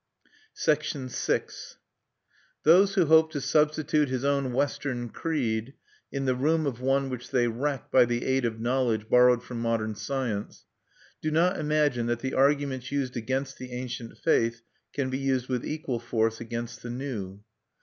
VI Those who hope to substitute their own Western creed in the room of one which they wreck by the aid of knowledge borrowed from modern science, do not imagine that the arguments used against the ancient faith can be used with equal force against the new.